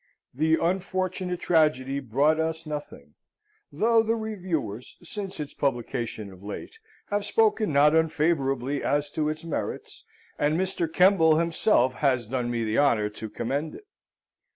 The unfortunate tragedy brought us nothing; though the reviewers, since its publication of late, have spoken not unfavourably as to its merits, and Mr. Kemble himself has done me the honour to commend it.